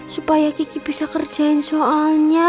supaya kiki bisa kerjain soalnya